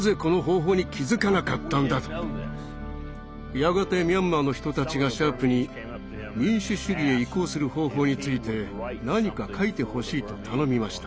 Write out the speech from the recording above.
やがてミャンマーの人たちがシャープに民主主義へ移行する方法について何か書いてほしいと頼みました。